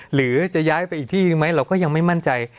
หรือจะย้ายไปอีกที่หนึ่งไหมเราก็ยังไม่มั่นใจ